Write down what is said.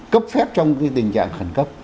cấp phép trong cái tình trạng khẩn cấp